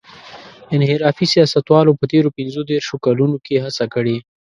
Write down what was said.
انحرافي سیاستوالو په تېرو پينځه دېرشو کلونو کې هڅه کړې.